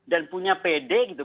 dan punya pede